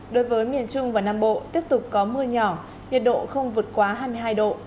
đối với miền trung và nam bộ tiếp tục có mưa nhỏ nhiệt độ không vượt quá hai mươi hai độ